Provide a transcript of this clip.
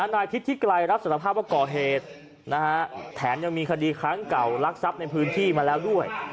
นายทิศทิไกรรับสารภาพว่าก่อเหตุแถมยังมีคดีครั้งเก่ารักทรัพย์ในพื้นที่มาแล้วด้วย